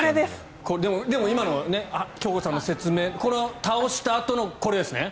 でも、今の京子さんの説明倒したあとのこれですね。